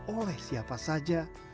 oleh siapa saja